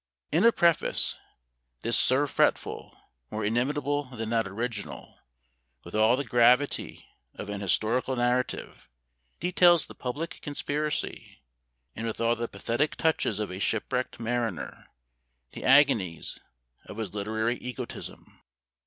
In a preface, this Sir Fretful, more inimitable than that original, with all the gravity of an historical narrative, details the public conspiracy; and with all the pathetic touches of a shipwrecked mariner, the agonies of his literary egotism.